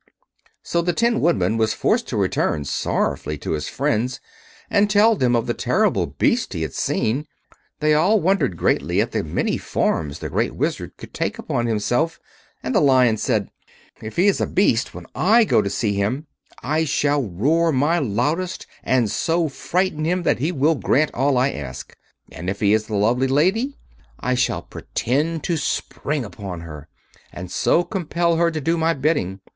So the Tin Woodman was forced to return sorrowfully to his friends and tell them of the terrible Beast he had seen. They all wondered greatly at the many forms the Great Wizard could take upon himself, and the Lion said: "If he is a Beast when I go to see him, I shall roar my loudest, and so frighten him that he will grant all I ask. And if he is the lovely Lady, I shall pretend to spring upon her, and so compel her to do my bidding.